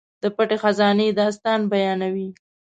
د پټې خزانې داستان بیانوي.